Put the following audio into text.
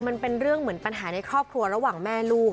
มันเป็นเรื่องเหมือนปัญหาในครอบครัวระหว่างแม่ลูก